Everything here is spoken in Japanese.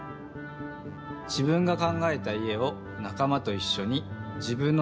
自分が考えた家をなか間といっしょに自分の手でつくる。